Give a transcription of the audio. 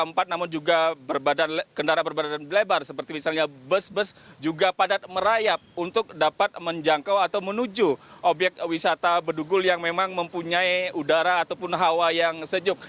namun juga kendaraan berbadan lebar seperti misalnya bus bus juga padat merayap untuk dapat menjangkau atau menuju obyek wisata bedugul yang memang mempunyai udara ataupun hawa yang sejuk